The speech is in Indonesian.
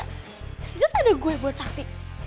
terserah ada gue buat sakti